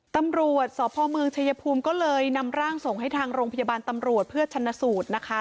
ตำรวจสพเมืองชายภูมิก็เลยนำร่างส่งให้ทางโรงพยาบาลตำรวจเพื่อชนะสูตรนะคะ